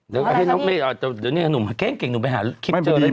เดี๋ยวนี้หนูเก่งหนูไปหาคลิปเจอได้จริง